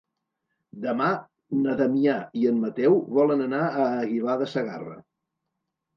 Demà na Damià i en Mateu volen anar a Aguilar de Segarra.